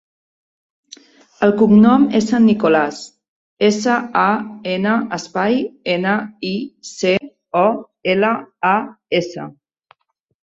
El cognom és San Nicolas: essa, a, ena, espai, ena, i, ce, o, ela, a, essa.